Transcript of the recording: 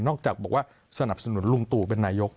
จากบอกว่าสนับสนุนลุงตู่เป็นนายก